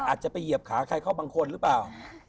อาจจะไปเหยียบขาใครเข้าบางคนหรือเปล่า